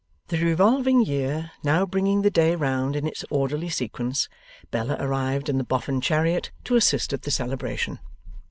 The revolving year now bringing the day round in its orderly sequence, Bella arrived in the Boffin chariot to assist at the celebration.